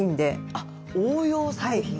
あっ応用作品。